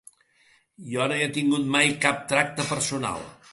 Jo no hi he tingut mai cap tracte personal.